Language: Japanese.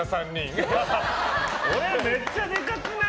俺、めっちゃでかくない？